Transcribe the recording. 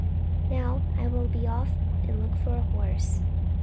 Now I will be off and look for a horse.